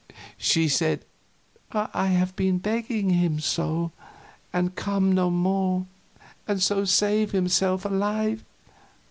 She said: "I have been begging him to go, and come no more, and so save himself alive.